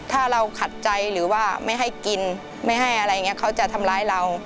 ถ้าเราขัดใจหรือว่าไม่ให้กินไม่ให้อะไรอย่างนี้เขาจะทำร้ายเรา